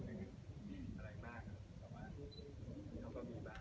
ค่ะมีดูดวงอะไรบ้างหรือลูก